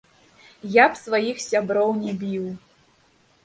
Я б сваіх сяброў не біў.